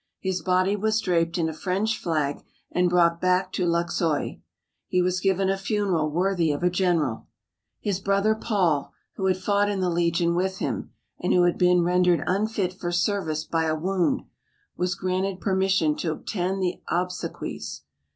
His body was draped in a French flag and brought back to Luxeuil. He was given a funeral worthy of a general. His brother, Paul, who had fought in the Legion with him, and who had been rendered unfit for service by a wound, was granted permission to attend the obsequies.